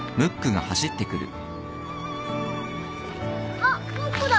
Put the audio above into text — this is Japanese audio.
・あっムックだ。